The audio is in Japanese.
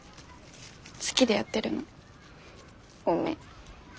好きでやってるの。ごめん。